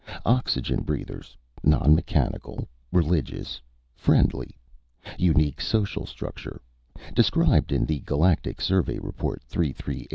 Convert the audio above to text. Oxygen breathers. Non mechanical. Religious. Friendly. Unique social structure, described in Galactic Survey Report 33877242.